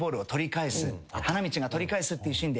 花道が取り返すっていうシーンで。